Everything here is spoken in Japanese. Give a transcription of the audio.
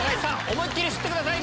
思いっ切り吸ってください！